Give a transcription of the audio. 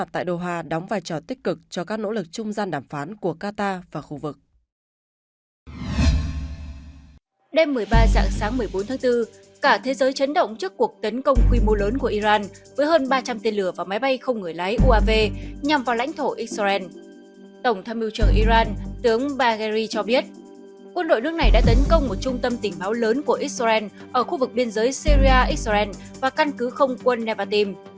tổng tham mưu trợ iran tướng barghari cho biết quân đội nước này đã tấn công một trung tâm tình báo lớn của israel ở khu vực biên giới syria israel và căn cứ không quân nevatim